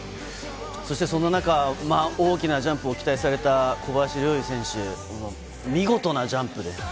そんな中、大きなジャンプを期待された小林陵侑選手、見事なジャンプで。